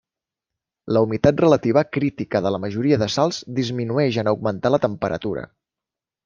La humitat relativa crítica de la majoria de sals disminueix en augmentar la temperatura.